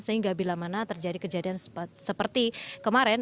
sehingga bila mana terjadi kejadian seperti kemarin